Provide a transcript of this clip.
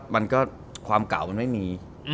มันก็ความเก่ามันไม่มี